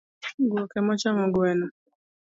Guok emaochamo gweno.